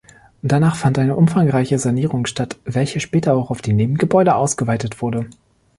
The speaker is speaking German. Danach fand eine umfangreiche Sanierung statt, welche später auch auf die Nebengebäude ausgeweitet wurde.